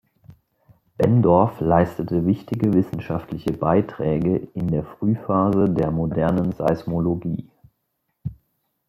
Benndorf leistete wichtige wissenschaftliche Beiträge in der Frühphase der modernen Seismologie.